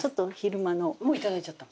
もう頂いちゃった。